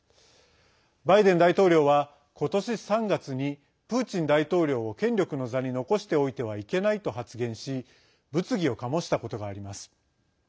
バイデン大統領はことし３月にプーチン大統領を権力の座に残しておいてはいけないと発言し物議をかもしたことがあります。